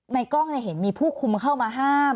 ในกล้องเนี่ยเห็นมีผู้คุมเข้ามาห้าม